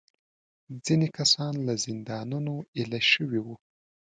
ځینې کسان له زندانونو ایله شوي وو.